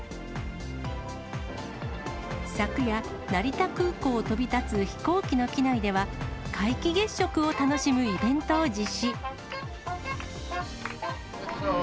昨夜、成田空港を飛び立つ飛行機の機内では、皆既月食を楽しむイベントを実施。